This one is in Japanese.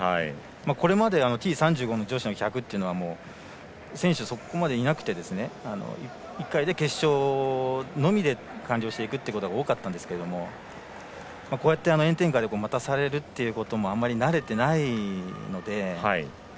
これまでＴ３５の女子の１００というのは選手、そこまでいなくて１回で決勝のみで完了していくことが多かったんですがこうやって炎天下で待たされるということもあまり慣れてないので。